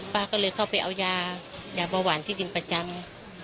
ป้าก็เลยเข้าไปกับยาภาวาณที่จีนประจำ